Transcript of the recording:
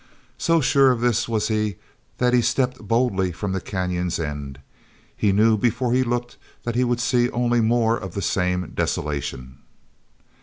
So sure of this was he that he stepped boldly from the canyon's end. He knew before he looked that he would see only more of the same desolation.